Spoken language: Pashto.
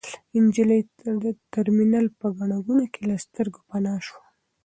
نجلۍ د ترمینل په ګڼه ګوڼه کې له سترګو پناه شوه.